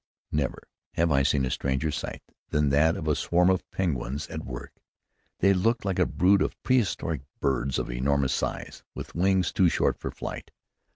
Never have I seen a stranger sight than that of a swarm of Penguins at work. They looked like a brood of prehistoric birds of enormous size, with wings too short for flight.